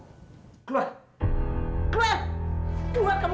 keluar keluar keluar kamu keluar keluar keluar kamu